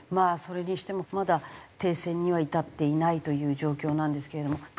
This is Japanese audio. それにしてもまだ停戦には至っていないという状況なんですけれども。